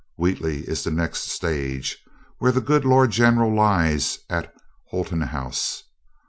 Wheatley is the next stage, where the good lord general lies at Holton House.